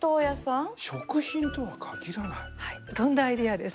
飛んだアイデアです。